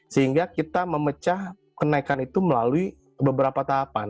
sehingga kita memecah kenaikan itu melalui beberapa tahapan